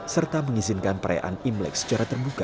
serta mengizinkan perayaan imlek secara terbuka